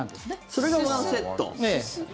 それが１セット。